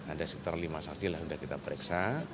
ada sekitar lima saksi lah sudah kita periksa